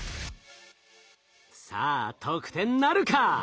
さあ得点なるか？